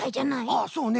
ああそうね。